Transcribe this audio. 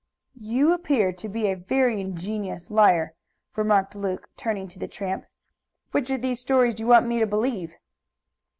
"You appear to be a very ingenious liar," remarked Luke, turning to the tramp. "Which of these stories do you want me to believe?"